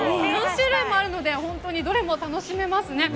４種類もあるのでどれも楽しめますね。